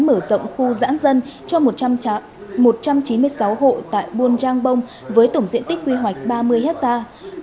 mở rộng khu giãn dân cho một trăm chín mươi sáu hộ tại buôn giang bông với tổng diện tích quy hoạch ba mươi hectare